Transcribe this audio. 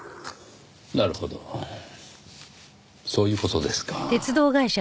なるほどそういう事ですか。